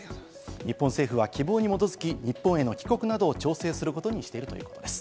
日本政府は希望に基づき、日本への帰国などを調整することにしているということです。